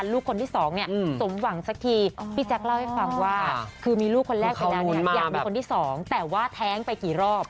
ลูกค้าหรือไปกี่รอบ